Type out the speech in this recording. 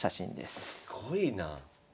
すごいなあ。